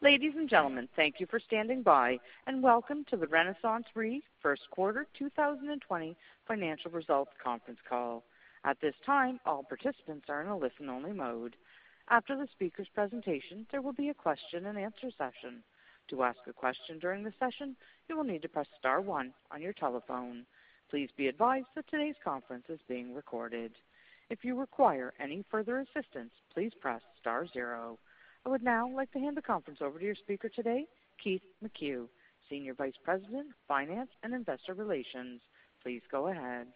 Ladies and gentlemen, thank you for standing by, and welcome to the RenaissanceRe First Quarter 2020 Financial Results Conference Call. At this time, all participants are in a listen-only mode. After the speaker's presentation, there will be a question and answer session. To ask a question during the session, you will need to press star one on your telephone. Please be advised that today's conference is being recorded. If you require any further assistance, please press star zero. I would now like to hand the conference over to your speaker today, Keith McCue, Senior Vice President, Finance & Investor Relations. Please go ahead.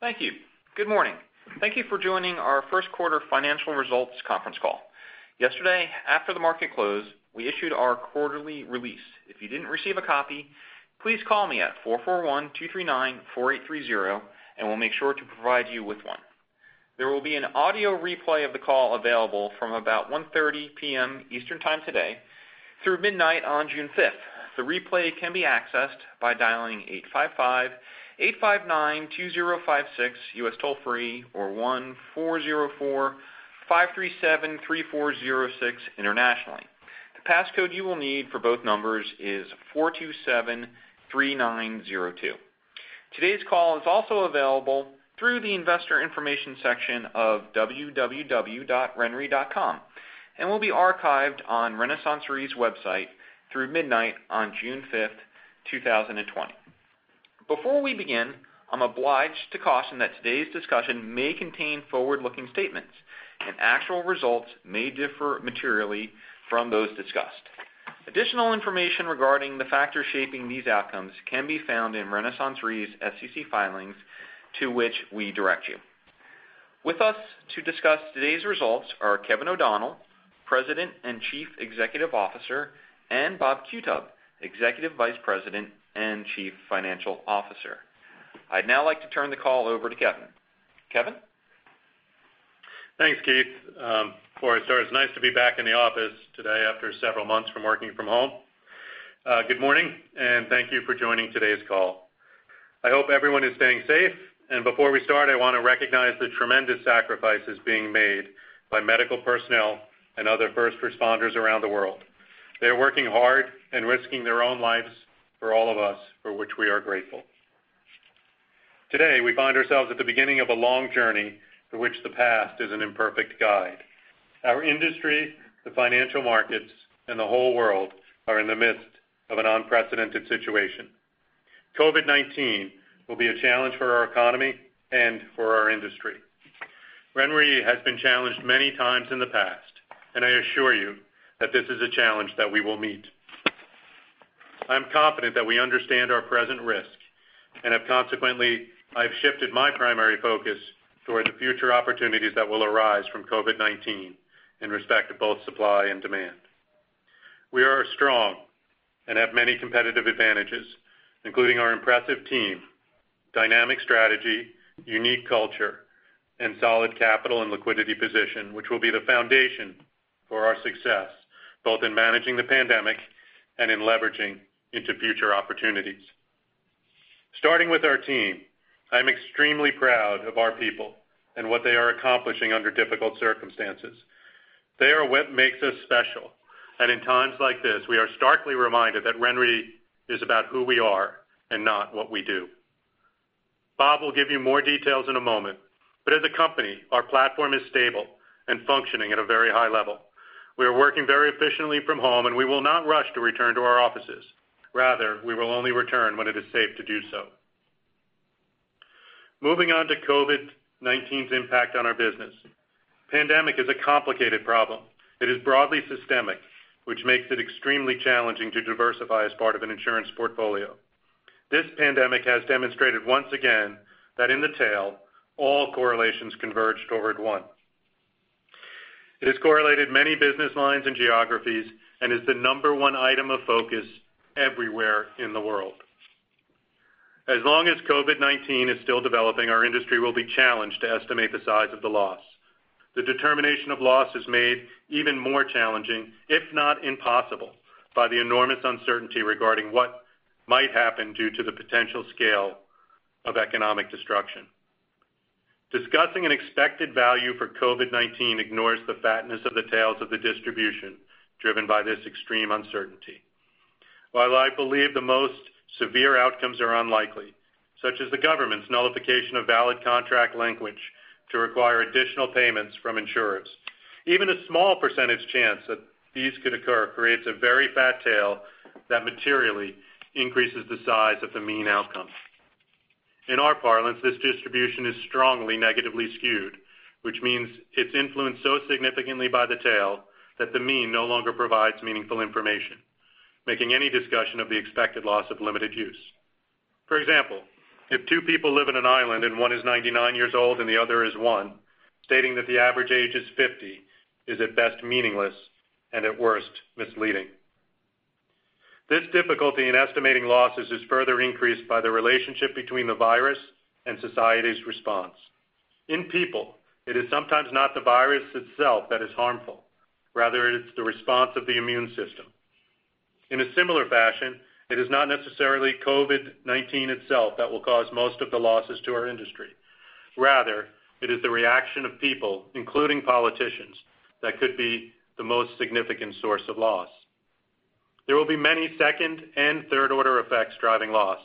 Thank you. Good morning. Thank you for joining our first quarter financial results conference call. Yesterday, after the market closed, we issued our quarterly release. If you didn't receive a copy, please call me at 441-239-4830 and we'll make sure to provide you with one. There will be an audio replay of the call available from about 1:30 P.M. Eastern Time today through midnight on June 5th. The replay can be accessed by dialing 855-859-2056 US toll-free or 1-404-537-3406 internationally. The passcode you will need for both numbers is 4273902. Today's call is also available through the investor information section of www.renre.com and will be archived on RenaissanceRe's website through midnight on June 5th, 2020. Before we begin, I'm obliged to caution that today's discussion may contain forward-looking statements and actual results may differ materially from those discussed. Additional information regarding the factors shaping these outcomes can be found in RenaissanceRe's SEC filings to which we direct you. With us to discuss today's results are Kevin O'Donnell, President and Chief Executive Officer, and Bob Qutub, Executive Vice President and Chief Financial Officer. I'd now like to turn the call over to Kevin. Kevin? Thanks, Keith. Before I start, it's nice to be back in the office today after several months from working from home. Good morning and thank you for joining today's call. I hope everyone is staying safe, and before we start, I want to recognize the tremendous sacrifices being made by medical personnel and other first responders around the world. They are working hard and risking their own lives for all of us, for which we are grateful. Today, we find ourselves at the beginning of a long journey for which the past is an imperfect guide. Our industry, the financial markets, and the whole world are in the midst of an unprecedented situation. COVID-19 will be a challenge for our economy and for our industry. RenRe has been challenged many times in the past, and I assure you that this is a challenge that we will meet. I am confident that we understand our present risk and have consequently shifted my primary focus toward the future opportunities that will arise from COVID-19 in respect to both supply and demand. We are strong and have many competitive advantages, including our impressive team, dynamic strategy, unique culture, and solid capital and liquidity position, which will be the foundation for our success, both in managing the pandemic and in leveraging into future opportunities. Starting with our team, I'm extremely proud of our people and what they are accomplishing under difficult circumstances. They are what makes us special. In times like this, we are starkly reminded that RenRe is about who we are and not what we do. Bob will give you more details in a moment. As a company, our platform is stable and functioning at a very high level. We are working very efficiently from home and we will not rush to return to our offices. Rather, we will only return when it is safe to do so. Moving on to COVID-19's impact on our business. Pandemic is a complicated problem. It is broadly systemic, which makes it extremely challenging to diversify as part of an insurance portfolio. This pandemic has demonstrated once again that in the tail, all correlations converged over at one. It has correlated many business lines and geographies and is the number one item of focus everywhere in the world. As long as COVID-19 is still developing, our industry will be challenged to estimate the size of the loss. The determination of loss is made even more challenging, if not impossible, by the enormous uncertainty regarding what might happen due to the potential scale of economic destruction. Discussing an expected value for COVID-19 ignores the fatness of the tails of the distribution driven by this extreme uncertainty. While I believe the most severe outcomes are unlikely, such as the government's nullification of valid contract language to require additional payments from insurers, even a small percentage chance that these could occur creates a very fat tail that materially increases the size of the mean outcome. In our parlance, this distribution is strongly negatively skewed, which means it's influenced so significantly by the tail that the mean no longer provides meaningful information, making any discussion of the expected loss of limited use. For example, if two people live in an island and one is 99 years old and the other is one, stating that the average age is 50 is at best meaningless and at worst misleading. This difficulty in estimating losses is further increased by the relationship between the virus and society's response. In people, it is sometimes not the virus itself that is harmful. Rather, it is the response of the immune system. In a similar fashion, it is not necessarily COVID-19 itself that will cause most of the losses to our industry. Rather, it is the reaction of people, including politicians, that could be the most significant source of loss. There will be many second and third order effects driving loss,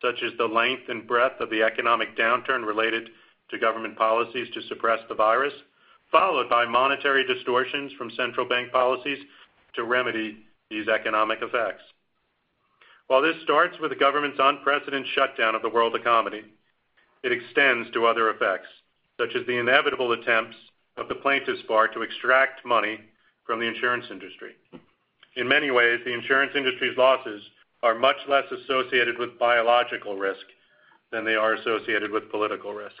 such as the length and breadth of the economic downturn related to government policies to suppress the virus, followed by monetary distortions from central bank policies to remedy these economic effects. While this starts with the government's unprecedented shutdown of the world economy, it extends to other effects, such as the inevitable attempts of the plaintiffs' bar to extract money from the insurance industry. In many ways, the insurance industry's losses are much less associated with biological risk than they are associated with political risk.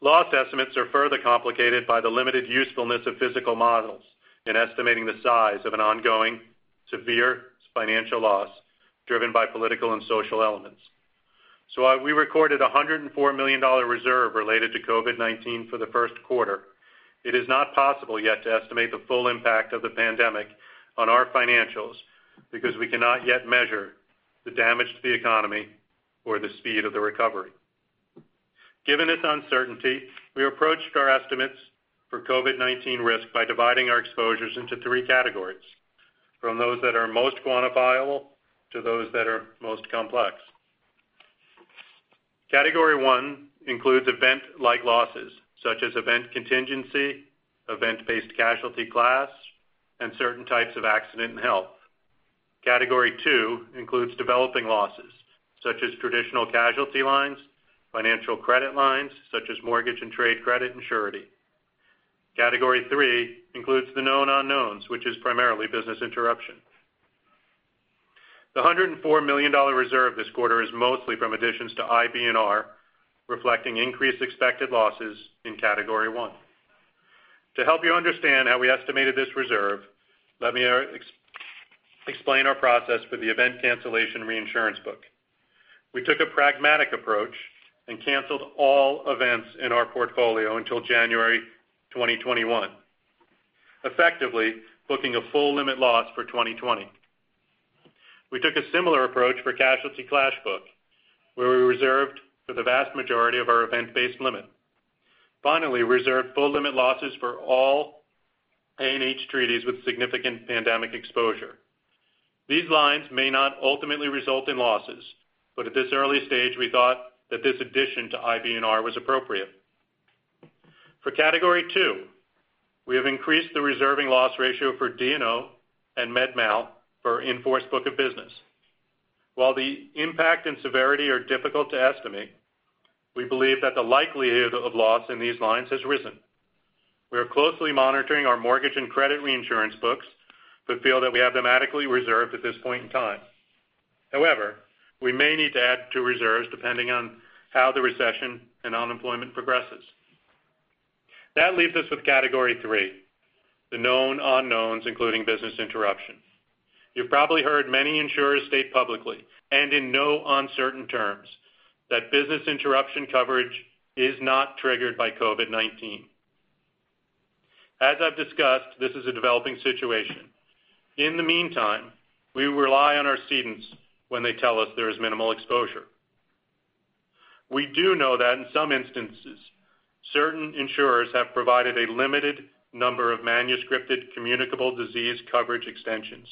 Loss estimates are further complicated by the limited usefulness of physical models in estimating the size of an ongoing, severe financial loss driven by political and social elements. While we recorded $104 million reserve related to COVID-19 for the first quarter, it is not possible yet to estimate the full impact of the pandemic on our financials because we cannot yet measure the damage to the economy or the speed of the recovery. Given this uncertainty, we approached our estimates for COVID-19 risk by dividing our exposures into 3 categories, from those that are most quantifiable to those that are most complex. Category 1 includes event-like losses, such as event contingency, event-based casualty clash, and certain types of accident and health. Category 2 includes developing losses, such as traditional casualty lines, financial credit lines such as mortgage and trade credit, and surety. Category 3 includes the known unknowns, which is primarily business interruption. The $104 million reserve this quarter is mostly from additions to IBNR, reflecting increased expected losses in category 1. To help you understand how we estimated this reserve, let me explain our process for the event cancellation reinsurance book. We took a pragmatic approach and canceled all events in our portfolio until January 2021, effectively booking a full limit loss for 2020. We took a similar approach for Casualty Clash book, where we reserved for the vast majority of our event-based limit. Finally, we reserved full limit losses for all A&H treaties with significant pandemic exposure. These lines may not ultimately result in losses, but at this early stage, we thought that this addition to IBNR was appropriate. For category 2, we have increased the reserving loss ratio for D&O and med mal for in-force book of business. While the impact and severity are difficult to estimate, we believe that the likelihood of loss in these lines has risen. We are closely monitoring our mortgage and credit reinsurance books, we feel that we have them adequately reserved at this point in time. However, we may need to add to reserves depending on how the recession and unemployment progresses. That leaves us with category 3, the known unknowns, including business interruption. You've probably heard many insurers state publicly, and in no uncertain terms, that business interruption coverage is not triggered by COVID-19. As I've discussed, this is a developing situation. In the meantime, we rely on our cedents when they tell us there is minimal exposure. We do know that in some instances, certain insurers have provided a limited number of manuscripted communicable disease coverage extensions.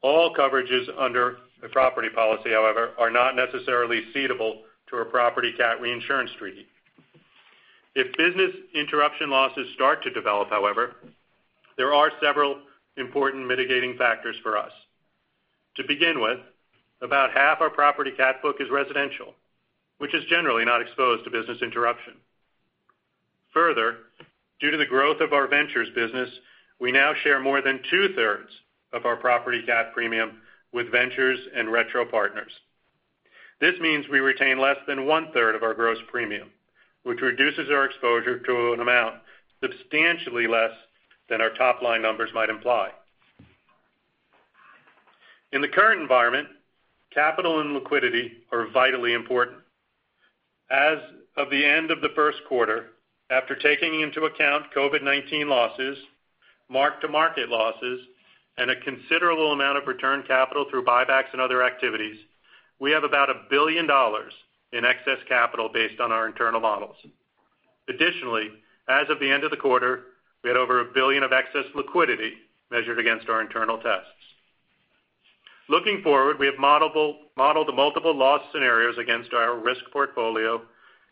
All coverages under the property policy, however, are not necessarily cedable to a property cat reinsurance treaty. If business interruption losses start to develop, however, there are several important mitigating factors for us. To begin with, about half our property cat book is residential, which is generally not exposed to business interruption. Further, due to the growth of our ventures business, we now share more than two-thirds of our property cat premium with ventures and retro partners. This means we retain less than one-third of our gross premium, which reduces our exposure to an amount substantially less than our top-line numbers might imply. In the current environment, capital and liquidity are vitally important. As of the end of the first quarter, after taking into account COVID-19 losses, mark-to-market losses, and a considerable amount of returned capital through buybacks and other activities, we have about $1 billion in excess capital based on our internal models. Additionally, as of the end of the quarter, we had over $1 billion of excess liquidity measured against our internal tests. Looking forward, we have modeled multiple loss scenarios against our risk portfolio,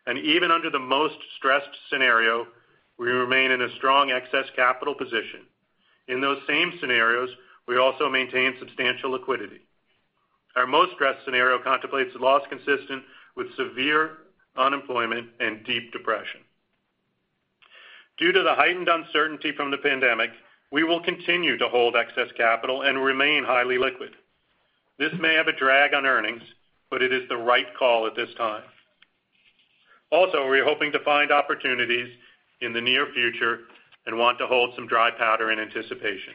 and even under the most stressed scenario, we remain in a strong excess capital position. In those same scenarios, we also maintain substantial liquidity. Our most stressed scenario contemplates loss consistent with severe unemployment and deep depression. Due to the heightened uncertainty from the pandemic, we will continue to hold excess capital and remain highly liquid. This may have a drag on earnings, but it is the right call at this time. We are hoping to find opportunities in the near future and want to hold some dry powder in anticipation.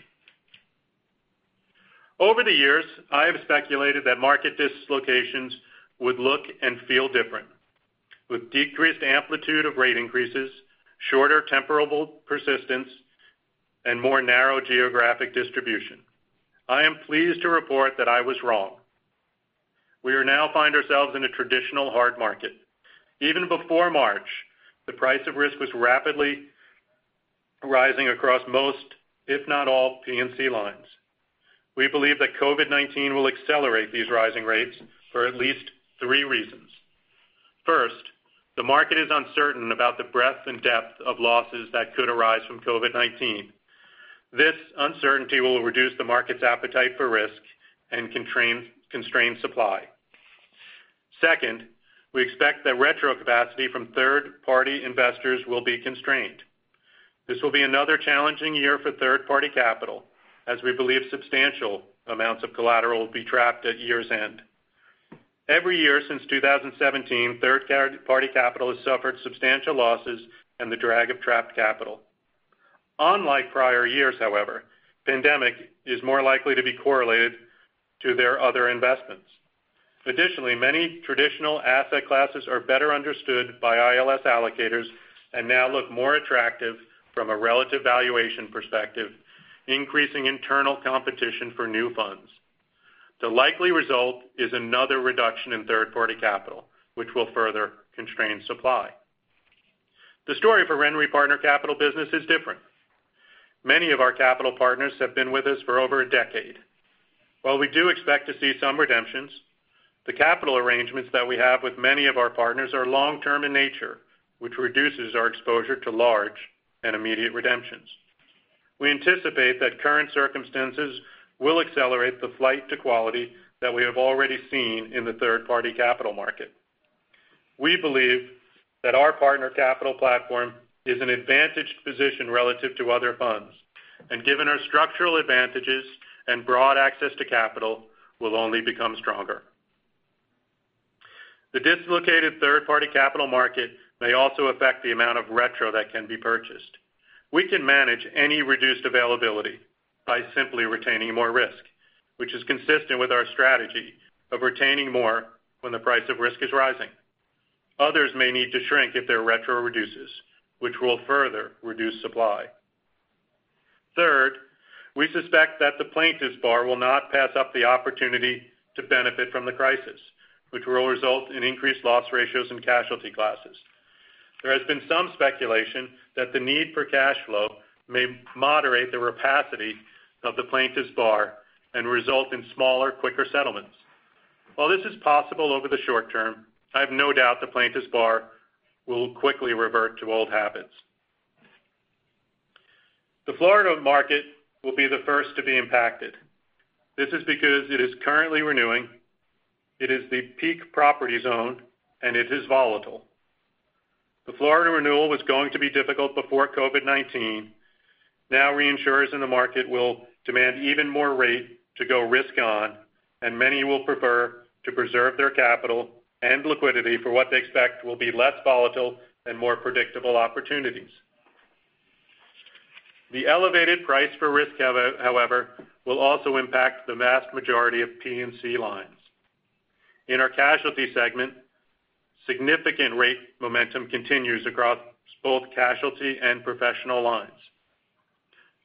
Over the years, I have speculated that market dislocations would look and feel different, with decreased amplitude of rate increases, shorter temporal persistence, and more narrow geographic distribution. I am pleased to report that I was wrong. We now find ourselves in a traditional hard market. Even before March, the price of risk was rapidly rising across most, if not all, P&C lines. We believe that COVID-19 will accelerate these rising rates for at least three reasons. First, the market is uncertain about the breadth and depth of losses that could arise from COVID-19. This uncertainty will reduce the market's appetite for risk and constrain supply. Second, we expect that retro capacity from third-party investors will be constrained. This will be another challenging year for third-party capital, as we believe substantial amounts of collateral will be trapped at year's end. Every year since 2017, third-party capital has suffered substantial losses and the drag of trapped capital. Unlike prior years, however, pandemic is more likely to be correlated to their other investments. Additionally, many traditional asset classes are better understood by ILS allocators and now look more attractive from a relative valuation perspective, increasing internal competition for new funds. The likely result is another reduction in third-party capital, which will further constrain supply. The story for RenRe partner capital business is different. Many of our capital partners have been with us for over a decade. While we do expect to see some redemptions, the capital arrangements that we have with many of our partners are long-term in nature, which reduces our exposure to large and immediate redemptions. We anticipate that current circumstances will accelerate the flight to quality that we have already seen in the third-party capital market. We believe that our partner capital platform is an advantaged position relative to other funds, and given our structural advantages and broad access to capital, will only become stronger. The dislocated third-party capital market may also affect the amount of retro that can be purchased. We can manage any reduced availability by simply retaining more risk, which is consistent with our strategy of retaining more when the price of risk is rising. Others may need to shrink if their retro reduces, which will further reduce supply. Third, we suspect that the plaintiffs bar will not pass up the opportunity to benefit from the crisis, which will result in increased loss ratios in casualty classes. There has been some speculation that the need for cash flow may moderate the rapacity of the plaintiffs bar and result in smaller, quicker settlements. While this is possible over the short term, I have no doubt the plaintiffs bar will quickly revert to old habits. The Florida market will be the first to be impacted. This is because it is currently renewing, it is the peak property zone, and it is volatile. The Florida renewal was going to be difficult before COVID-19. Now, reinsurers in the market will demand even more rate to go risk on, and many will prefer to preserve their capital and liquidity for what they expect will be less volatile and more predictable opportunities. The elevated price for risk, however, will also impact the vast majority of P&C lines. In our casualty segment, significant rate momentum continues across both casualty and professional lines.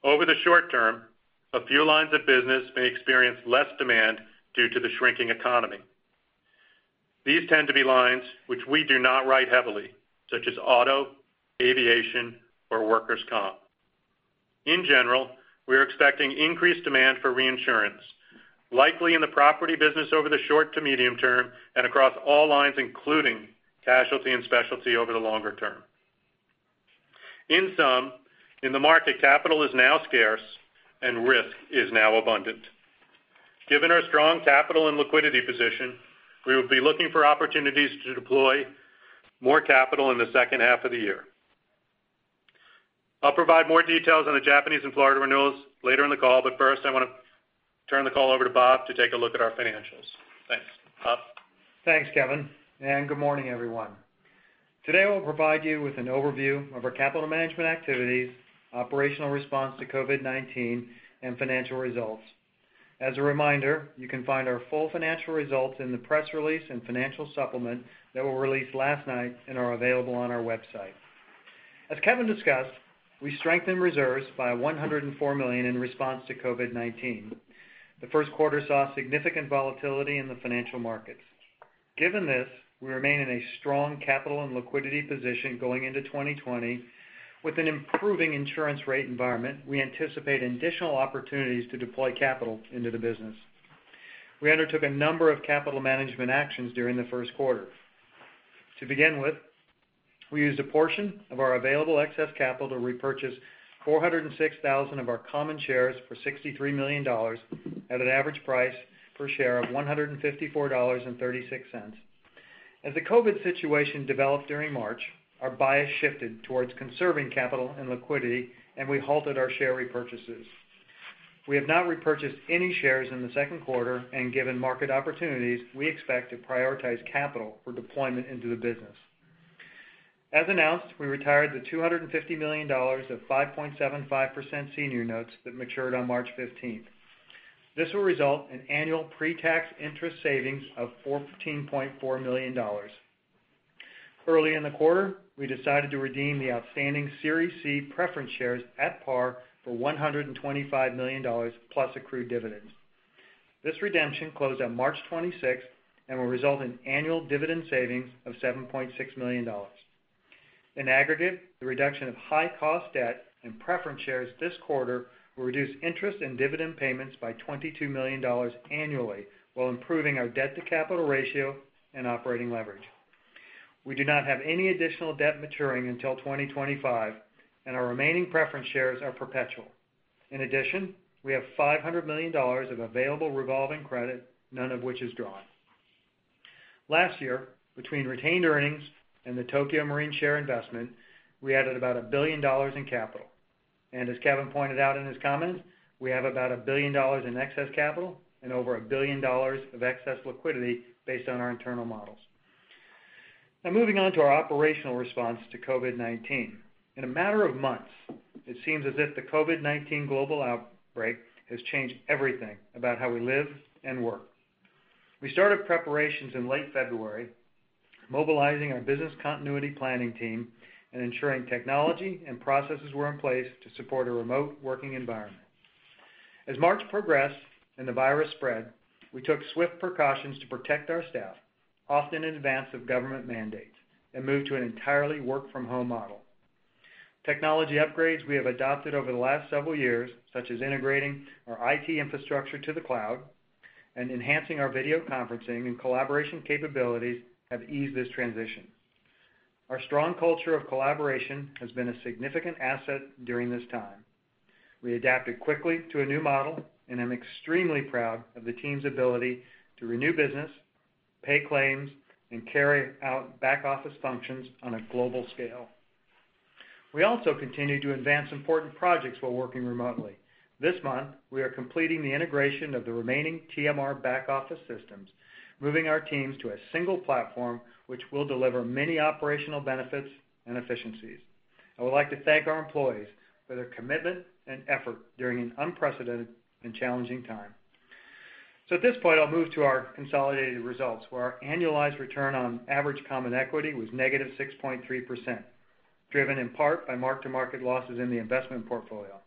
Over the short term, a few lines of business may experience less demand due to the shrinking economy. These tend to be lines which we do not write heavily, such as auto, aviation, or workers' comp. In general, we are expecting increased demand for reinsurance, likely in the property business over the short to medium term, and across all lines, including casualty and specialty over the longer term. In sum, in the market, capital is now scarce and risk is now abundant. Given our strong capital and liquidity position, we will be looking for opportunities to deploy more capital in the second half of the year. I'll provide more details on the Japanese and Florida renewals later in the call, but first, I want to turn the call over to Bob to take a look at our financials. Thanks. Bob? Thanks, Kevin, and good morning, everyone. Today, I will provide you with an overview of our capital management activities, operational response to COVID-19, and financial results. As a reminder, you can find our full financial results in the press release and financial supplement that were released last night and are available on our website. As Kevin discussed, we strengthened reserves by $104 million in response to COVID-19. The first quarter saw significant volatility in the financial markets. Given this, we remain in a strong capital and liquidity position going into 2020. With an improving insurance rate environment, we anticipate additional opportunities to deploy capital into the business. We undertook a number of capital management actions during the first quarter. To begin with, we used a portion of our available excess capital to repurchase 406,000 of our common shares for $63 million at an average price per share of $154.36. As the COVID-19 situation developed during March, our bias shifted towards conserving capital and liquidity, and we halted our share repurchases. We have not repurchased any shares in the second quarter, and given market opportunities, we expect to prioritize capital for deployment into the business. As announced, we retired the $250 million of 5.75% senior notes that matured on March 15th. This will result in annual pre-tax interest savings of $14.4 million. Early in the quarter, we decided to redeem the outstanding Series C preference shares at par for $125 million plus accrued dividends. This redemption closed on March 26th and will result in annual dividend savings of $7.6 million. In aggregate, the reduction of high cost debt and preference shares this quarter will reduce interest in dividend payments by $22 million annually while improving our debt to capital ratio and operating leverage. We do not have any additional debt maturing until 2025, and our remaining preference shares are perpetual. In addition, we have $500 million of available revolving credit, none of which is drawn. Last year, between retained earnings and the Tokio Marine share investment, we added about $1 billion in capital. As Kevin pointed out in his comments, we have about $1 billion in excess capital and over $1 billion of excess liquidity based on our internal models. Now, moving on to our operational response to COVID-19. In a matter of months, it seems as if the COVID-19 global outbreak has changed everything about how we live and work. We started preparations in late February, mobilizing our business continuity planning team and ensuring technology and processes were in place to support a remote working environment. As March progressed and the virus spread, we took swift precautions to protect our staff, often in advance of government mandates, and moved to an entirely work from home model. Technology upgrades we have adopted over the last several years, such as integrating our IT infrastructure to the cloud and enhancing our video conferencing and collaboration capabilities have eased this transition. Our strong culture of collaboration has been a significant asset during this time. We adapted quickly to a new model, and I'm extremely proud of the team's ability to renew business, pay claims, and carry out back office functions on a global scale. We also continue to advance important projects while working remotely. This month, we are completing the integration of the remaining TMR back office systems, moving our teams to a single platform, which will deliver many operational benefits and efficiencies. I would like to thank our employees for their commitment and effort during an unprecedented and challenging time. At this point, I'll move to our consolidated results, where our annualized return on average common equity was -6.3%, driven in part by mark-to-market losses in the investment portfolio.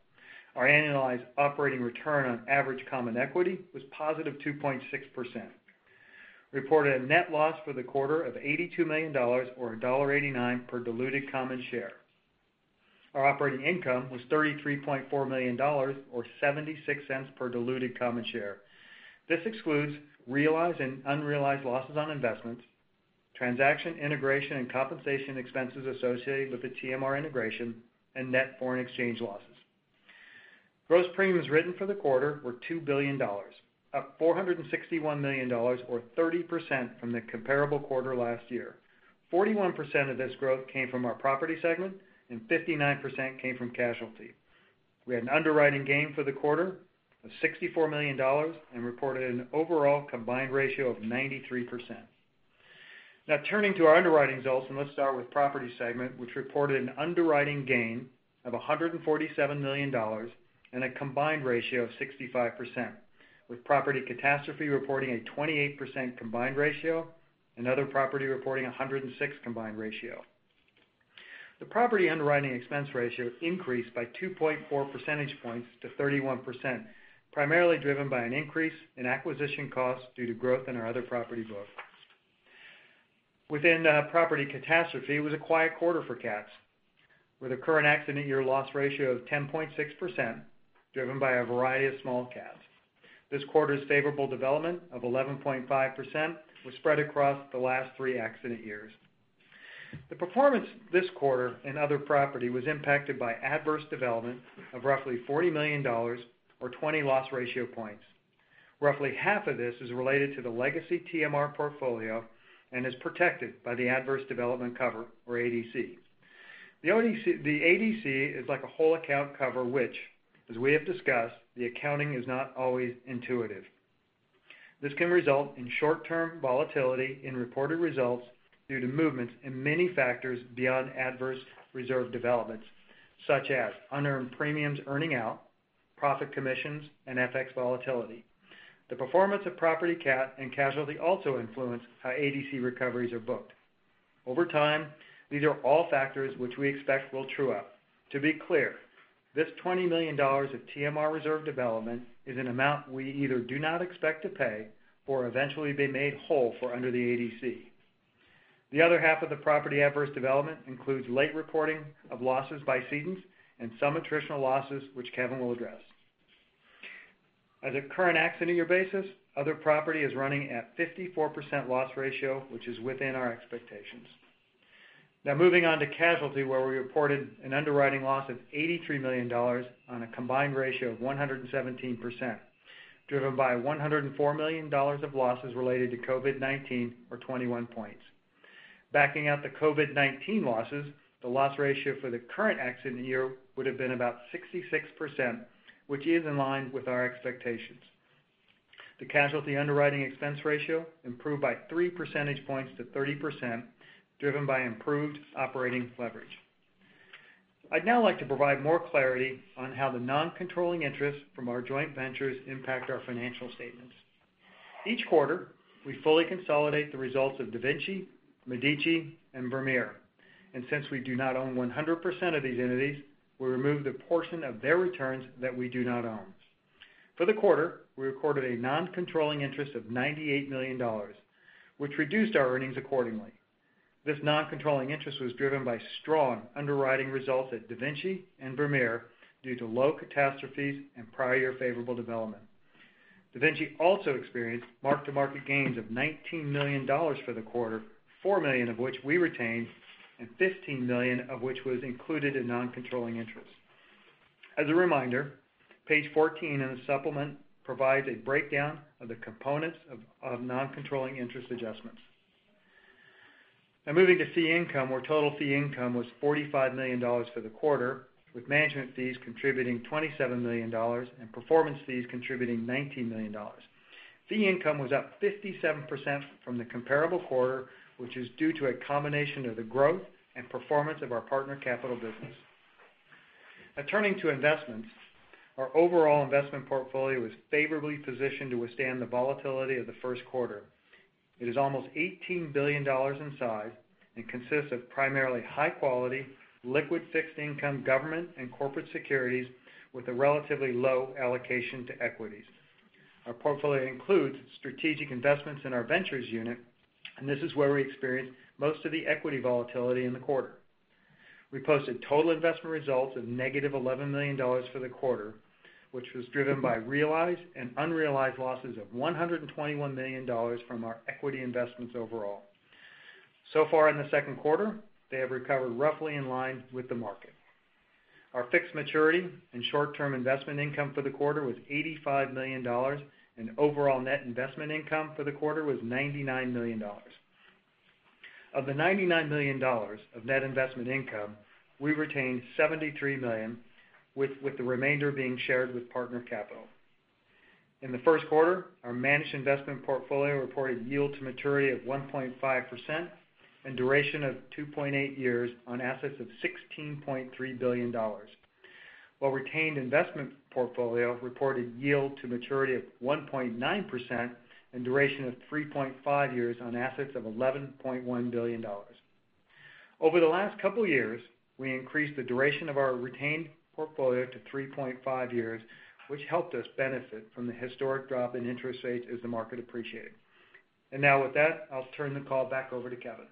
Our annualized operating return on average common equity was +2.6%. Reported a net loss for the quarter of $82 million, or $1.89 per diluted common share. Our operating income was $33.4 million, or $0.76 per diluted common share. This excludes realized and unrealized losses on investments, transaction integration and compensation expenses associated with the TMR integration, and net foreign exchange losses. Gross premiums written for the quarter were $2 billion, up $461 million or 30% from the comparable quarter last year. 41% of this growth came from our property segment and 59% came from casualty. We had an underwriting gain for the quarter of $64 million and reported an overall combined ratio of 93%. Turning to our underwriting results, let's start with Property Segment, which reported an underwriting gain of $147 million and a combined ratio of 65%, with Property Catastrophe reporting a 28% combined ratio and Other Property reporting 106% combined ratio. The Property underwriting expense ratio increased by 2.4 percentage points to 31%, primarily driven by an increase in acquisition costs due to growth in our Other Property book. Within Property Catastrophe, it was a quiet quarter for cats, with a current accident year loss ratio of 10.6%, driven by a variety of small cats. This quarter's favorable development of 11.5% was spread across the last three accident years. The performance this quarter in Other Property was impacted by adverse development of roughly $40 million or 20 loss ratio points. Roughly half of this is related to the legacy TMR portfolio and is protected by the adverse development cover, or ADC. The ADC is like a whole account cover, which, as we have discussed, the accounting is not always intuitive. This can result in short-term volatility in reported results due to movements in many factors beyond adverse reserve developments, such as unearned premiums earning out, profit commissions, and FX volatility. The performance of property cat and casualty also influence how ADC recoveries are booked. Over time, these are all factors which we expect will true up. To be clear, this $20 million of TMR reserve development is an amount we either do not expect to pay or eventually be made whole for under the ADC. The other half of the property adverse development includes late reporting of losses by cedents and some attritional losses, which Kevin will address. As a current accident year basis, other property is running at 54% loss ratio, which is within our expectations. Now moving on to casualty, where we reported an underwriting loss of $83 million on a combined ratio of 117%, driven by $104 million of losses related to COVID-19 or 21 points. Backing out the COVID-19 losses, the loss ratio for the current accident year would've been about 66%, which is in line with our expectations. The casualty underwriting expense ratio improved by three percentage points to 30%, driven by improved operating leverage. I'd now like to provide more clarity on how the non-controlling interest from our joint ventures impact our financial statements. Each quarter, we fully consolidate the results of DaVinci, Medici, and Vermeer. Since we do not own 100% of these entities, we remove the portion of their returns that we do not own. For the quarter, we recorded a non-controlling interest of $98 million, which reduced our earnings accordingly. This non-controlling interest was driven by strong underwriting results at DaVinci and Vermeer due to low catastrophes and prior favorable development. DaVinci also experienced mark-to-market gains of $19 million for the quarter, $4 million of which we retained, and $15 million of which was included in non-controlling interests. As a reminder, page 14 in the supplement provides a breakdown of the components of non-controlling interest adjustments. Moving to fee income, where total fee income was $45 million for the quarter, with management fees contributing $27 million and performance fees contributing $19 million. Fee income was up 57% from the comparable quarter, which is due to a combination of the growth and performance of our Capital Partners business. Turning to investments. Our overall investment portfolio is favorably positioned to withstand the volatility of the first quarter. It is almost $18 billion in size and consists of primarily high-quality, liquid fixed income government and corporate securities with a relatively low allocation to equities. Our portfolio includes strategic investments in our ventures unit. This is where we experienced most of the equity volatility in the quarter. We posted total investment results of negative $11 million for the quarter, which was driven by realized and unrealized losses of $121 million from our equity investments overall. So far in the second quarter, they have recovered roughly in line with the market. Our fixed maturity and short-term investment income for the quarter was $85 million, and overall net investment income for the quarter was $99 million. Of the $99 million of net investment income, we retained $73 million, with the remainder being shared with Partner Capital. In the first quarter, our managed investment portfolio reported yield to maturity of 1.5% and duration of 2.8 years on assets of $16.3 billion. Retained investment portfolio reported yield to maturity of 1.9% and duration of 3.5 years on assets of $11.1 billion. Over the last couple of years, we increased the duration of our retained portfolio to 3.5 years, which helped us benefit from the historic drop in interest rates as the market appreciated. Now with that, I'll turn the call back over to Kevin.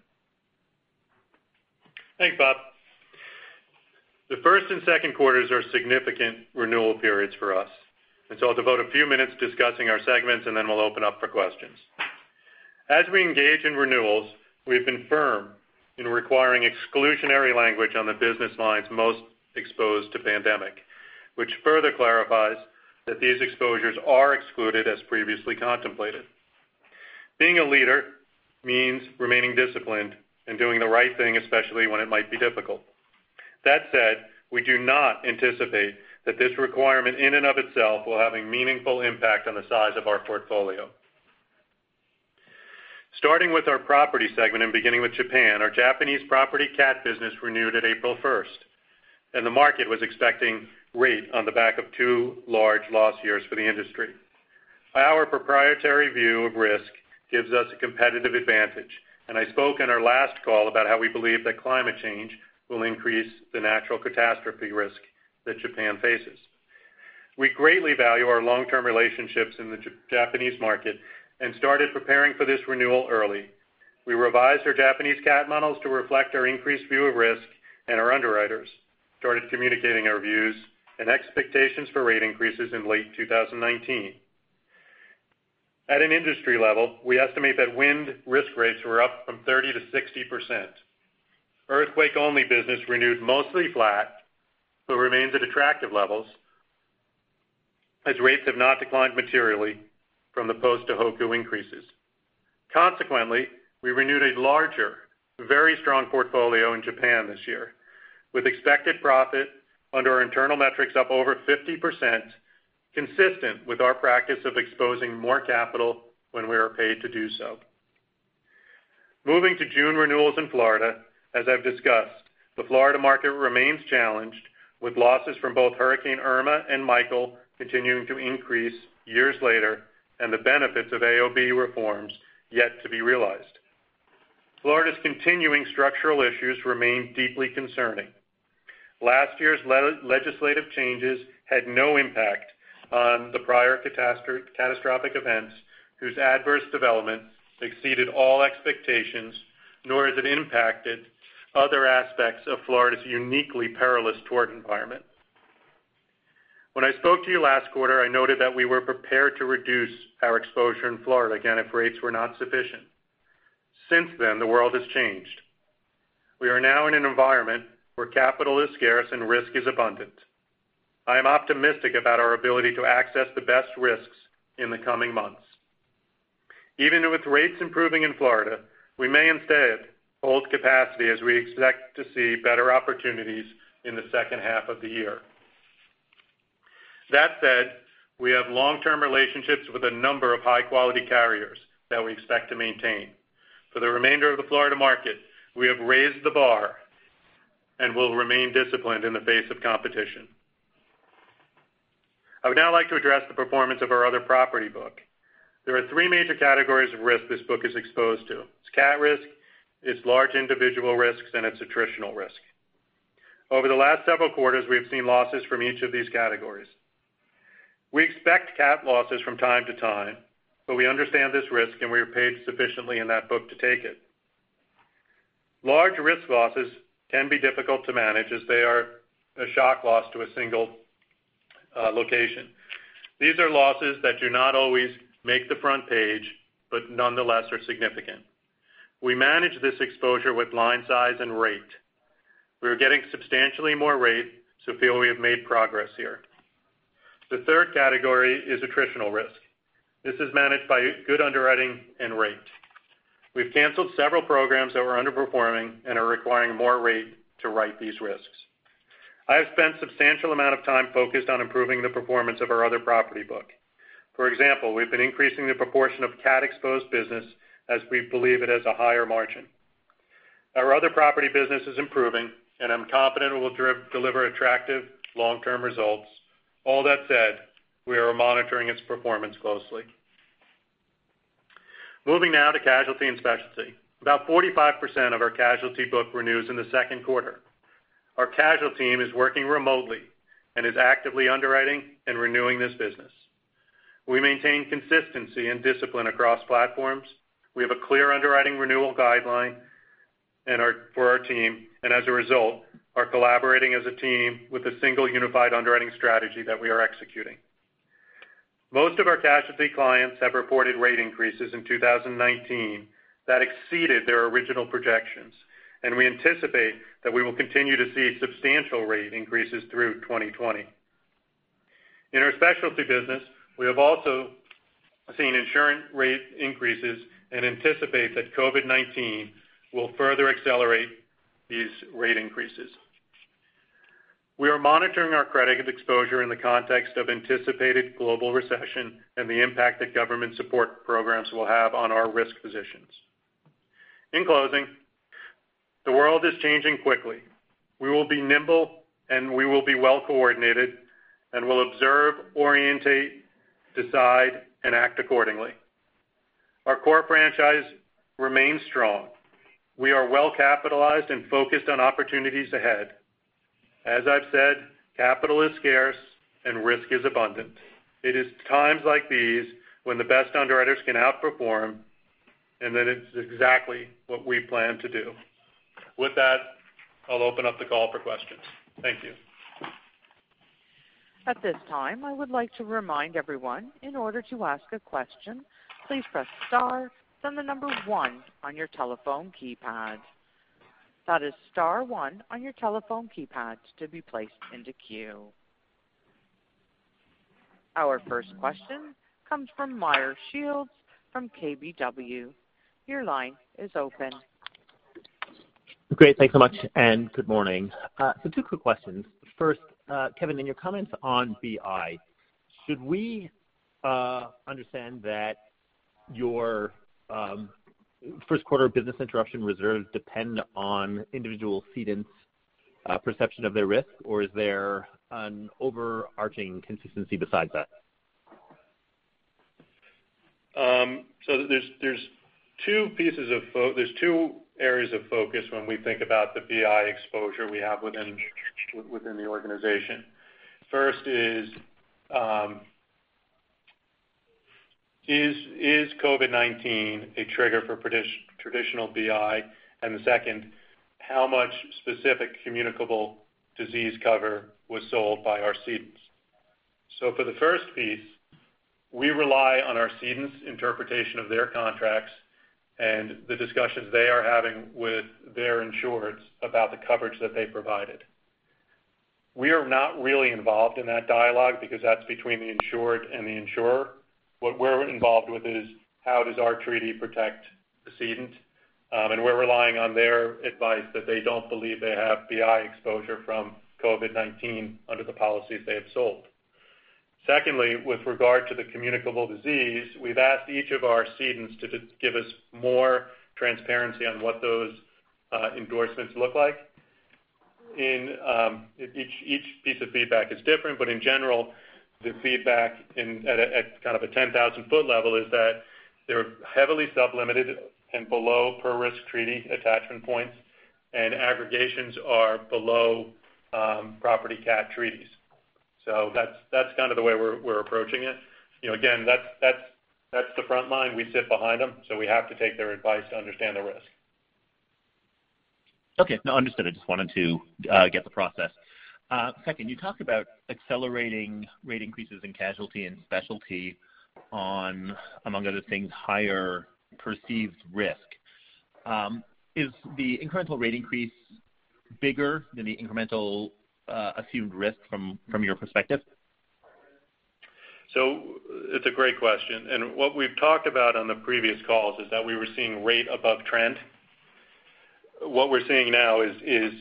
Thanks, Bob. The first and second quarters are significant renewal periods for us, and so I'll devote a few minutes discussing our segments, and then we'll open up for questions. As we engage in renewals, we've been firm in requiring exclusionary language on the business lines most exposed to pandemic, which further clarifies that these exposures are excluded as previously contemplated. Being a leader means remaining disciplined and doing the right thing, especially when it might be difficult. That said, we do not anticipate that this requirement in and of itself will have a meaningful impact on the size of our portfolio. Starting with our property segment and beginning with Japan, our Japanese property CAT business renewed at April 1st, and the market was expecting rate on the back of two large loss years for the industry. Our proprietary view of risk gives us a competitive advantage, and I spoke on our last call about how we believe that climate change will increase the natural catastrophe risk that Japan faces. We greatly value our long-term relationships in the Japanese market and started preparing for this renewal early. We revised our Japanese CAT models to reflect our increased view of risk, and our underwriters started communicating our views and expectations for rate increases in late 2019. At an industry level, we estimate that wind risk rates were up from 30%-60%. Earthquake only business renewed mostly flat, but remains at attractive levels as rates have not declined materially from the post-Tohoku increases. We renewed a larger, very strong portfolio in Japan this year with expected profit under our internal metrics up over 50%, consistent with our practice of exposing more capital when we are paid to do so. Moving to June renewals in Florida. As I've discussed, the Florida market remains challenged, with losses from both Hurricane Irma and Michael continuing to increase years later and the benefits of AOB reforms yet to be realized. Florida's continuing structural issues remain deeply concerning. Last year's legislative changes had no impact on the prior catastrophic events whose adverse developments exceeded all expectations, nor has it impacted other aspects of Florida's uniquely perilous tort environment. When I spoke to you last quarter, I noted that we were prepared to reduce our exposure in Florida again if rates were not sufficient. The world has changed. We are now in an environment where capital is scarce, and risk is abundant. I am optimistic about our ability to access the best risks in the coming months. Even with rates improving in Florida, we may instead hold capacity as we expect to see better opportunities in the second half of the year. That said, we have long-term relationships with a number of high-quality carriers that we expect to maintain. For the remainder of the Florida market, we have raised the bar and will remain disciplined in the face of competition. I would now like to address the performance of our other property book. There are three major categories of risk this book is exposed to. It's cat risk, it's large individual risks, and it's attritional risk. Over the last several quarters, we have seen losses from each of these categories. We expect cat losses from time to time, but we understand this risk, and we are paid sufficiently in that book to take it. Large risk losses can be difficult to manage as they are a shock loss to a single location. These are losses that do not always make the front page, but nonetheless are significant. We manage this exposure with line size and rate. We are getting substantially more rate, so feel we have made progress here. The third category is attritional risk. This is managed by good underwriting and rate. We've canceled several programs that were underperforming and are requiring more rate to write these risks. I have spent substantial amount of time focused on improving the performance of our other property book. For example, we've been increasing the proportion of cat-exposed business as we believe it has a higher margin. Our other property business is improving, and I'm confident it will deliver attractive long-term results. All that said, we are monitoring its performance closely. Moving now to casualty and specialty. About 45% of our casualty book renews in the second quarter. Our casualty team is working remotely and is actively underwriting and renewing this business. We maintain consistency and discipline across platforms. We have a clear underwriting renewal guideline for our team, and as a result, are collaborating as a team with a single unified underwriting strategy that we are executing. Most of our casualty clients have reported rate increases in 2019 that exceeded their original projections, and we anticipate that we will continue to see substantial rate increases through 2020. In our specialty business, we have also seen insurance rate increases and anticipate that COVID-19 will further accelerate these rate increases. We are monitoring our credit exposure in the context of anticipated global recession and the impact that government support programs will have on our risk positions. In closing, the world is changing quickly. We will be nimble, and we will be well-coordinated and will observe, orientate, decide, and act accordingly. Our core franchise remains strong. We are well capitalized and focused on opportunities ahead. As I've said, capital is scarce, and risk is abundant. It is times like these when the best underwriters can outperform, and that is exactly what we plan to do. With that, I'll open up the call for questions. Thank you. At this time, I would like to remind everyone, in order to ask a question, please press star, then the number one on your telephone keypad. That is star one on your telephone keypad to be placed into queue. Our first question comes from Meyer Shields from KBW. Your line is open. Great. Thanks so much, and good morning. Two quick questions. First, Kevin, in your comments on BI, should we understand that your first quarter business interruption reserves depend on individual cedents' perception of their risk? Is there an overarching consistency besides that? There's two areas of focus when we think about the BI exposure we have within the organization. First, is COVID-19 a trigger for traditional BI? The second, how much specific communicable disease cover was sold by our cedents? For the first piece, we rely on our cedents' interpretation of their contracts and the discussions they are having with their insureds about the coverage that they provided. We are not really involved in that dialogue because that's between the insured and the insurer. What we're involved with is, how does our treaty protect the cedent? We're relying on their advice that they don't believe they have BI exposure from COVID-19 under the policies they have sold. Secondly, with regard to the communicable disease, we've asked each of our cedents to give us more transparency on what those endorsements look like. Each piece of feedback is different, but in general, the feedback at a 10,000-foot level is that they're heavily sub-limited and below per risk treaty attachment points, and aggregations are below property cat treaties. That's the way we're approaching it. Again, that's the front line. We sit behind them, so we have to take their advice to understand the risk. Okay. No, understood. I just wanted to get the process. Second, you talked about accelerating rate increases in casualty and specialty on, among other things, higher perceived risk. Is the incremental rate increase bigger than the incremental assumed risk from your perspective? It's a great question, and what we've talked about on the previous calls is that we were seeing rate above trend. What we're seeing now is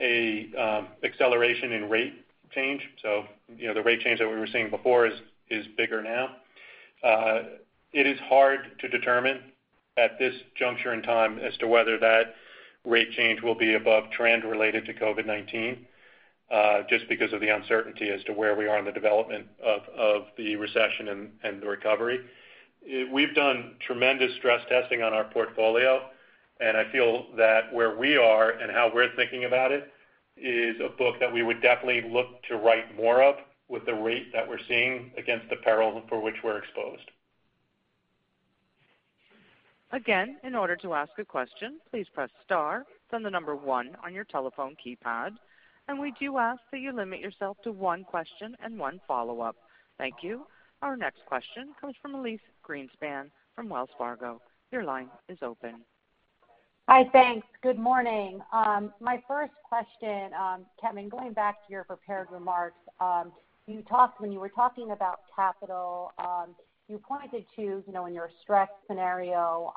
an acceleration in rate change. The rate change that we were seeing before is bigger now. It is hard to determine at this juncture in time as to whether that rate change will be above trend related to COVID-19, just because of the uncertainty as to where we are in the development of the recession and the recovery. We've done tremendous stress testing on our portfolio, and I feel that where we are and how we're thinking about it is a book that we would definitely look to write more of with the rate that we're seeing against the peril for which we're exposed. Again, in order to ask a question, please press star, then the number one on your telephone keypad. We do ask that you limit yourself to one question and one follow-up. Thank you. Our next question comes from Elyse Greenspan from Wells Fargo. Your line is open. Hi. Thanks. Good morning. My first question, Kevin, going back to your prepared remarks. When you were talking about capital, you pointed to in your stress scenario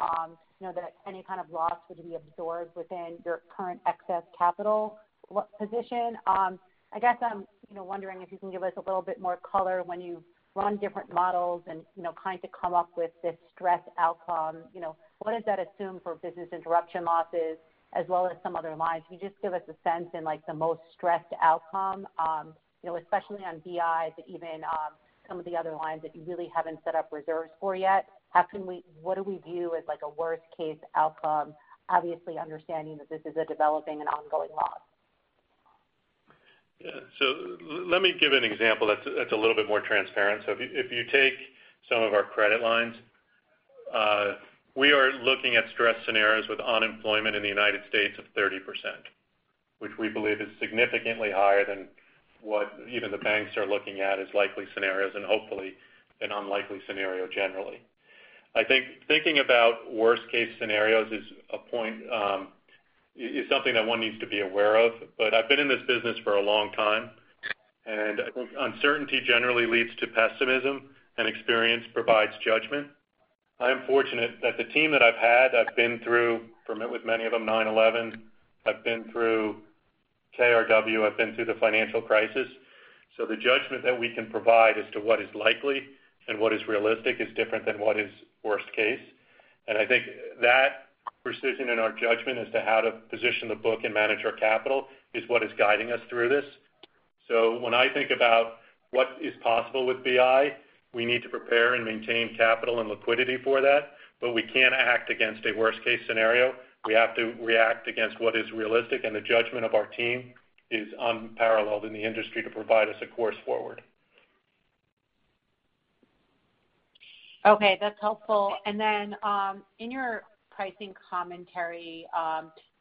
that any kind of loss would be absorbed within your current excess capital position. I guess I'm wondering if you can give us a little bit more color when you run different models and kind of come up with this stress outcome. What does that assume for business interruption losses as well as some other lines? Can you just give us a sense in, like, the most stressed outcome, especially on BIs, even some of the other lines that you really haven't set up reserves for yet? What do we view as like a worst case outcome? Obviously understanding that this is a developing and ongoing loss. Yeah. Let me give an example that's a little bit more transparent. If you take some of our credit lines, we are looking at stress scenarios with unemployment in the U.S. of 30%, which we believe is significantly higher than what even the banks are looking at as likely scenarios and hopefully an unlikely scenario generally. I think thinking about worst case scenarios is something that one needs to be aware of. I've been in this business for a long time, and uncertainty generally leads to pessimism and experience provides judgment. I am fortunate that the team that I've had, I've been through, with many of them, 9/11. I've been through KRW. I've been through the financial crisis. The judgment that we can provide as to what is likely and what is realistic is different than what is worst case. I think that precision in our judgment as to how to position the book and manage our capital is what is guiding us through this. When I think about what is possible with BI, we need to prepare and maintain capital and liquidity for that, but we can't act against a worst case scenario. We have to react against what is realistic, and the judgment of our team is unparalleled in the industry to provide us a course forward. Okay, that's helpful. In your pricing commentary,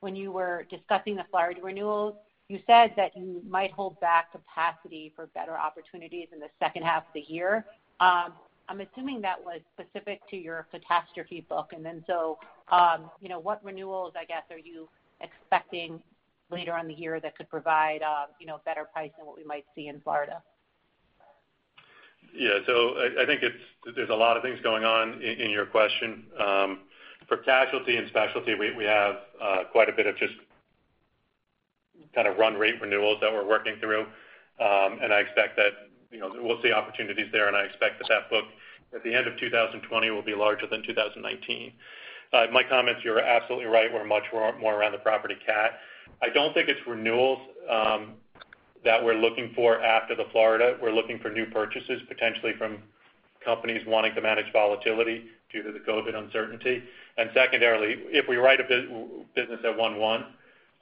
when you were discussing the Florida renewals, you said that you might hold back capacity for better opportunities in the second half of the year. I'm assuming that was specific to your catastrophe book. What renewals, I guess, are you expecting later on the year that could provide better price than what we might see in Florida? Yeah. I think there's a lot of things going on in your question. For casualty and specialty, we have quite a bit of just kind of run rate renewals that we're working through. I expect that we'll see opportunities there, and I expect that book at the end of 2020 will be larger than 2019. My comments, you're absolutely right, were much more around the property cat. I don't think it's renewals that we're looking for after the Florida. We're looking for new purchases potentially from companies wanting to manage volatility due to the COVID uncertainty. Secondarily, if we write a business at one-one,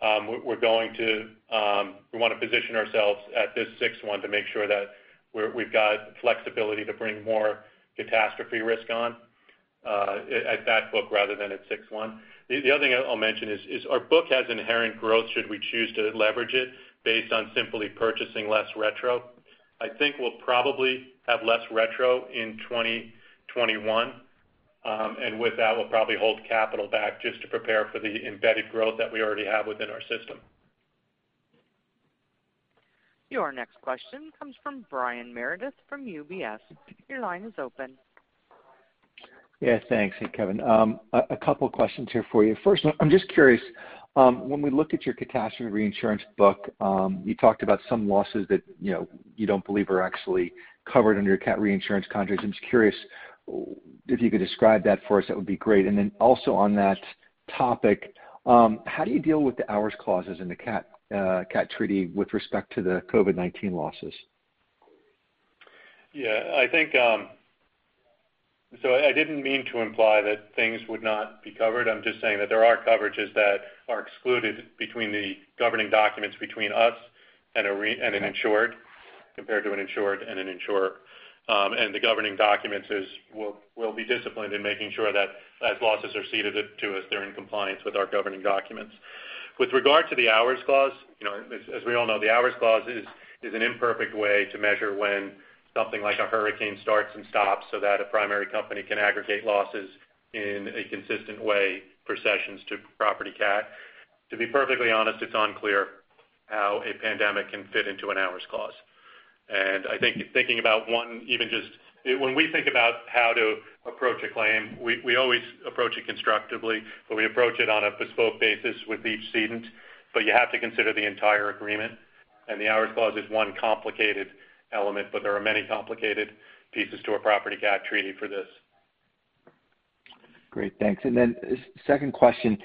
we want to position ourselves at this six-one to make sure that we've got flexibility to bring more catastrophe risk on at that book rather than at six-one. The other thing I'll mention is our book has inherent growth should we choose to leverage it based on simply purchasing less retro. I think we'll probably have less retro in 2021. With that, we'll probably hold capital back just to prepare for the embedded growth that we already have within our system. Your next question comes from Brian Meredith from UBS. Your line is open. Yeah, thanks. Hey, Kevin. A couple questions here for you. First one, I'm just curious, when we look at your catastrophe reinsurance book, you talked about some losses that you don't believe are actually covered under your cat reinsurance contract. I'm just curious if you could describe that for us, that would be great. Then also on that topic, how do you deal with the hours clauses in the cat treaty with respect to the COVID-19 losses? I didn't mean to imply that things would not be covered. I'm just saying that there are coverages that are excluded between the governing documents between us and an insured compared to an insured and an insurer. The governing documents will be disciplined in making sure that as losses are ceded to us, they're in compliance with our governing documents. With regard to the hours clause, as we all know, the hours clause is an imperfect way to measure when something like a hurricane starts and stops so that a primary company can aggregate losses in a consistent way for sessions to property cat. To be perfectly honest, it's unclear how a pandemic can fit into an hours clause. When we think about how to approach a claim, we always approach it constructively, but we approach it on a bespoke basis with each cedent. You have to consider the entire agreement, and the hours clause is one complicated element, but there are many complicated pieces to a property cat treaty for this. Great. Thanks. Then second question.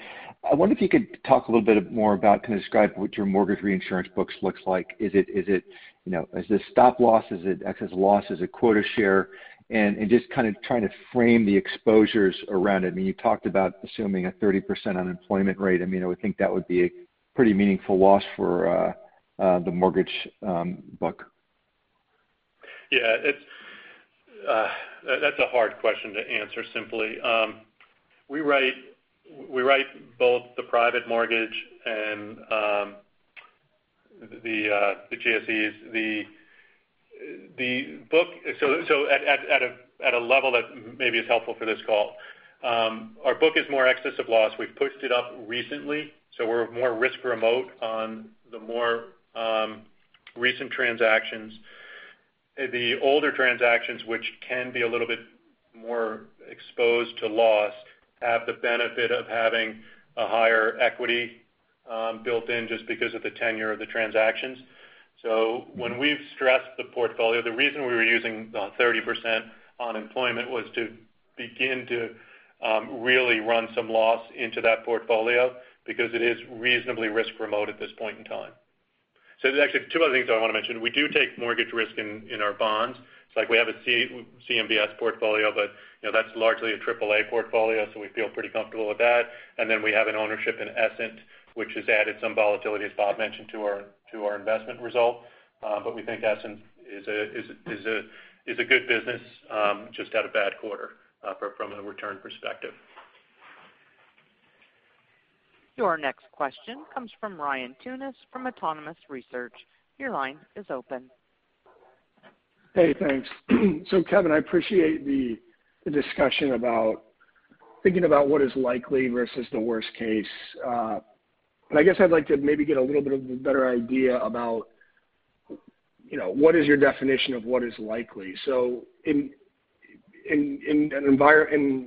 I wonder if you could talk a little bit more about, can you describe what your mortgage reinsurance books looks like? Is this stop loss? Is it excess loss? Is it quota share? Just kind of trying to frame the exposures around it. You talked about assuming a 30% unemployment rate. I would think that would be a pretty meaningful loss for the mortgage book. Yeah. That's a hard question to answer simply. We write both the private mortgage and the GSEs. At a level that maybe is helpful for this call, our book is more excess of loss. We've pushed it up recently, so we're more risk remote on the more recent transactions. The older transactions, which can be a little bit more exposed to loss, have the benefit of having a higher equity built in just because of the tenure of the transactions. When we've stressed the portfolio, the reason we were using 30% unemployment was to begin to really run some loss into that portfolio because it is reasonably risk remote at this point in time. There's actually two other things I want to mention. We do take mortgage risk in our bonds. It's like we have a CMBS portfolio, but that's largely a AAA portfolio, so we feel pretty comfortable with that. We have an ownership in Essent, which has added some volatility, as Bob mentioned, to our investment result. We think Essent is a good business, just had a bad quarter from a return perspective. Your next question comes from Ryan Tunis from Autonomous Research. Your line is open. Hey, thanks. Kevin, I appreciate the discussion about thinking about what is likely versus the worst case. I guess I'd like to maybe get a little of a better idea about what is your definition of what is likely. In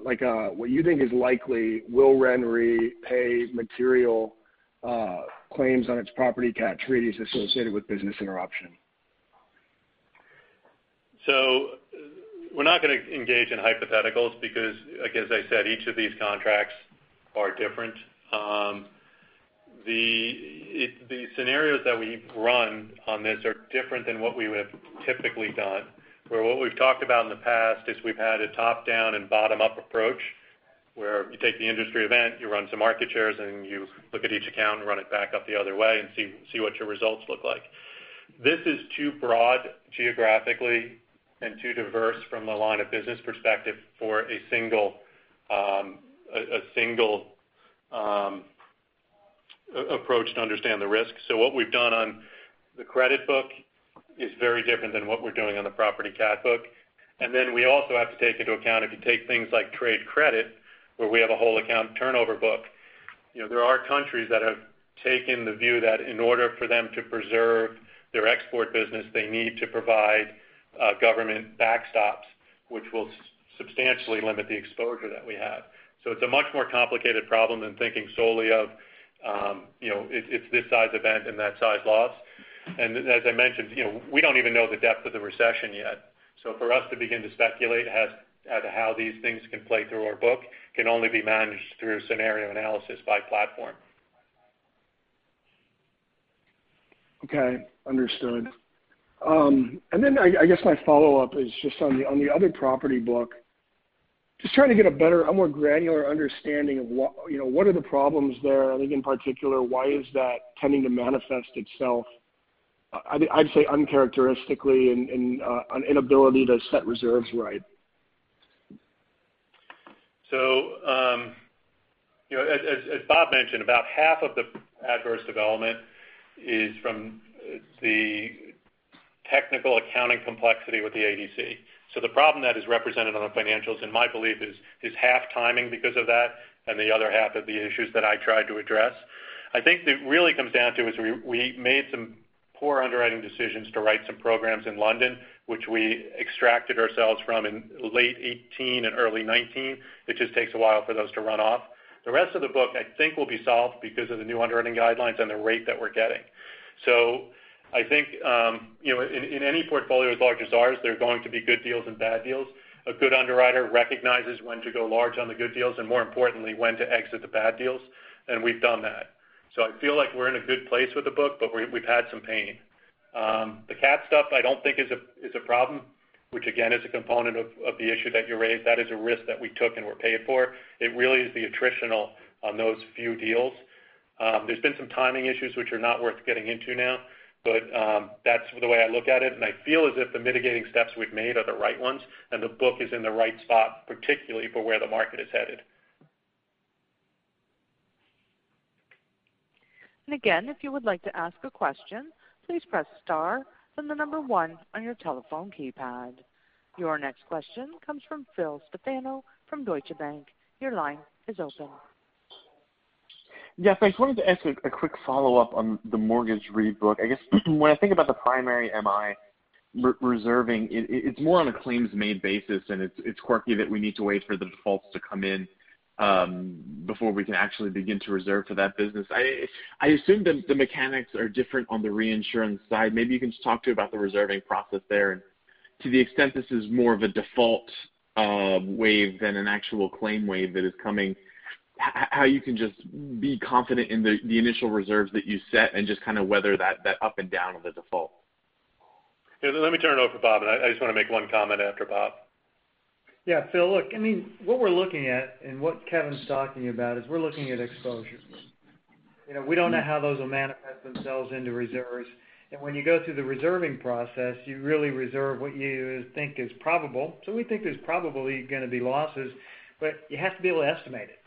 what you think is likely, will RenRe pay material claims on its property cat treaties associated with business interruption? We're not going to engage in hypotheticals because, like as I said, each of these contracts are different. The scenarios that we run on this are different than what we would have typically done, where what we've talked about in the past is we've had a top-down and bottom-up approach, where you take the industry event, you run some market shares, and you look at each account and run it back up the other way and see what your results look like. This is too broad geographically and too diverse from a line of business perspective for a single approach to understand the risk. What we've done on the credit book is very different than what we're doing on the property cat book. We also have to take into account, if you take things like trade credit, where we have a whole account turnover book, there are countries that have taken the view that in order for them to preserve their export business, they need to provide government backstops, which will substantially limit the exposure that we have. It's a much more complicated problem than thinking solely of it's this size event and that size loss. As I mentioned, we don't even know the depth of the recession yet. For us to begin to speculate as to how these things can play through our book can only be managed through scenario analysis by platform. Okay. Understood. I guess my follow-up is just on the other property book, just trying to get a more granular understanding of what are the problems there, I think in particular, why is that tending to manifest itself, I'd say uncharacteristically in an inability to set reserves right? As Bob mentioned, about half of the adverse development is from the technical accounting complexity with the ADC. The problem that is represented on the financials, in my belief, is half timing because of that, and the other half of the issues that I tried to address. I think it really comes down to is we made some poor underwriting decisions to write some programs in London, which we extracted ourselves from in late 2018 and early 2019. It just takes a while for those to run off. The rest of the book, I think will be solved because of the new underwriting guidelines and the rate that we're getting. I think in any portfolio as large as ours, there are going to be good deals and bad deals. A good underwriter recognizes when to go large on the good deals, and more importantly, when to exit the bad deals, and we've done that. I feel like we're in a good place with the book, but we've had some pain. The cat stuff I don't think is a problem, which again, is a component of the issue that you raised. That is a risk that we took and we're paying for. It really is the attritional on those few deals. There's been some timing issues which are not worth getting into now, but that's the way I look at it, and I feel as if the mitigating steps we've made are the right ones and the book is in the right spot, particularly for where the market is headed. Again, if you would like to ask a question, please press star, then the number one on your telephone keypad. Your next question comes from Phil Stefano from Deutsche Bank. Your line is open. Yes, I just wanted to ask a quick follow-up on the mortgage rebook. I guess when I think about the primary MI reserving, it's more on a claims-made basis, and it's quirky that we need to wait for the defaults to come in, before we can actually begin to reserve for that business. I assume the mechanics are different on the reinsurance side. Maybe you can just talk about the reserving process there and to the extent this is more of a default wave than an actual claim wave that is coming, how you can just be confident in the initial reserves that you set and just kind of weather that up and down of the default. Yeah. Let me turn it over to Bob, and I just want to make one comment after Bob. Phil, look, what we're looking at, and what Kevin's talking about, is we're looking at exposures. When you go through the reserving process, you really reserve what you think is probable. We think there's probably going to be losses, but you have to be able to estimate it.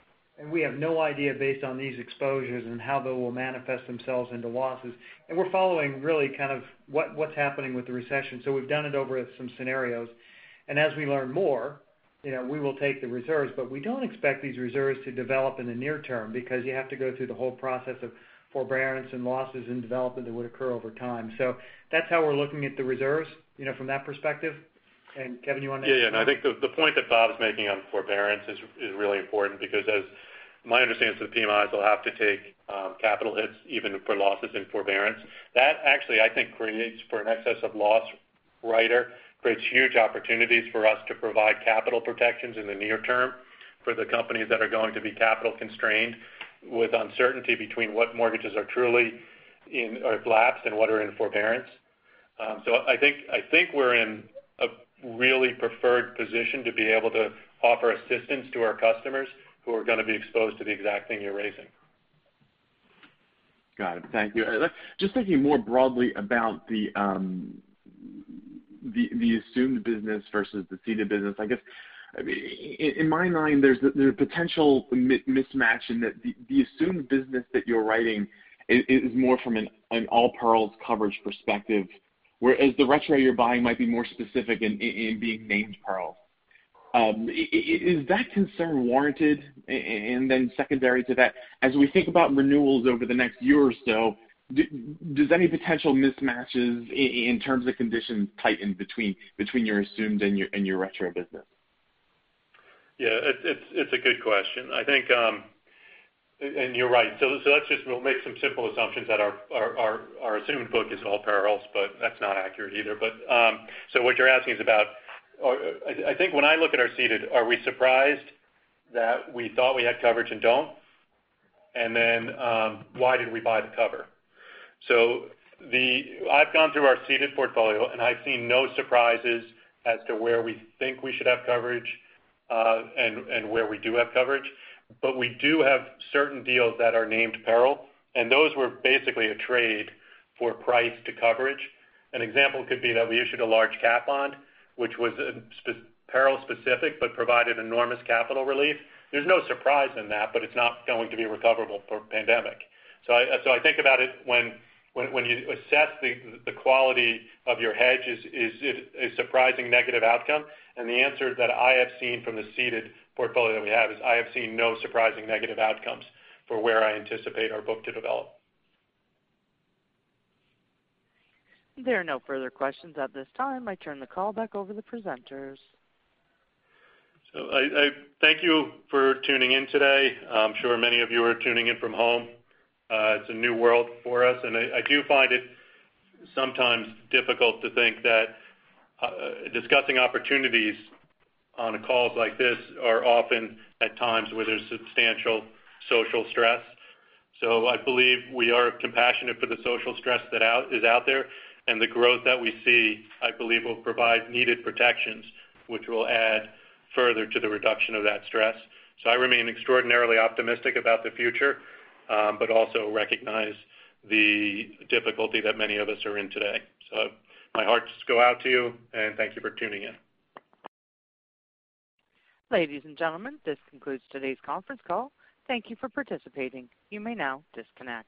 We have no idea based on these exposures and how they will manifest themselves into losses. We're following really what's happening with the recession. We've done it over some scenarios. As we learn more, we will take the reserves. We don't expect these reserves to develop in the near term, because you have to go through the whole process of forbearance and losses and development that would occur over time. That's how we're looking at the reserves, from that perspective. Kevin, you want to add to that? I think the point that Bob's making on forbearance is really important because as my understanding is the PMIs will have to take capital hits even for losses in forbearance. That actually, I think creates for an excess of loss writer, creates huge opportunities for us to provide capital protections in the near term for the companies that are going to be capital constrained with uncertainty between what mortgages are truly lapsed and what are in forbearance. I think we're in a really preferred position to be able to offer assistance to our customers who are going to be exposed to the exact thing you're raising. Got it. Thank you. Just thinking more broadly about the assumed business versus the ceded business, I guess, in my mind, there's a potential mismatch in that the assumed business that you're writing is more from an all perils coverage perspective, whereas the retro you're buying might be more specific in being named perils. Is that concern warranted? Then secondary to that, as we think about renewals over the next year or so, does any potential mismatches in terms of conditions tighten between your assumed and your retro business? Yeah. It's a good question. I think, and you're right. Let's just make some simple assumptions that our assumed book is all perils, but that's not accurate either. What you're asking is about, I think when I look at our ceded, are we surprised that we thought we had coverage and don't? Why did we buy the cover? I've gone through our ceded portfolio, and I've seen no surprises as to where we think we should have coverage, and where we do have coverage. We do have certain deals that are named peril, and those were basically a trade for price to coverage. An example could be that we issued a large cat bond, which was peril specific but provided enormous capital relief. There's no surprise in that, but it's not going to be recoverable for pandemic. I think about it when you assess the quality of your hedges, is surprising negative outcome, and the answer that I have seen from the ceded portfolio that we have is I have seen no surprising negative outcomes for where I anticipate our book to develop. There are no further questions at this time. I turn the call back over the presenters. I thank you for tuning in today. I'm sure many of you are tuning in from home. It's a new world for us, and I do find it sometimes difficult to think that discussing opportunities on calls like this are often at times where there's substantial social stress. I believe we are compassionate for the social stress that is out there, and the growth that we see, I believe, will provide needed protections, which will add further to the reduction of that stress. I remain extraordinarily optimistic about the future, but also recognize the difficulty that many of us are in today. My hearts go out to you, and thank you for tuning in. Ladies and gentlemen, this concludes today's conference call. Thank you for participating. You may now disconnect.